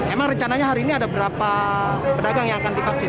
emang rencananya hari ini ada berapa pedagang yang akan divaksin